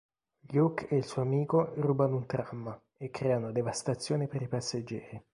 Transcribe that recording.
Luke e il suo amico rubano un tram e creano devastazione per i passeggeri.